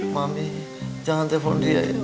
mami jangan telepon dia